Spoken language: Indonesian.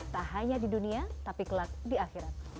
tak hanya di dunia tapi kelak di akhirat